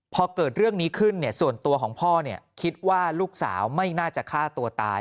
พอเกิดเรื่องนี้ขึ้นส่วนตัวของพ่อคิดว่าลูกสาวไม่น่าจะฆ่าตัวตาย